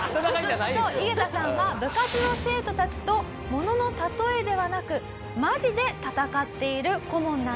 「ユゲタさんは部活の生徒たちとものの例えではなくマジで戦っている顧問なんです」